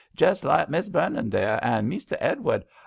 .jest like Miss Vernon there •• and Mester Edward